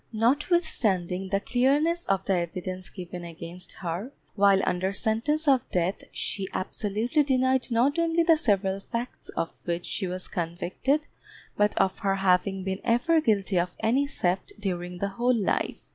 Notwithstanding the clearness of the evidence given against her, while under sentence of death she absolutely denied not only the several facts of which she was convicted, but of her having been ever guilty of any theft during the whole life.